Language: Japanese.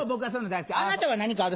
あなたは何かある？